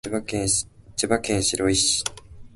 千葉県白井市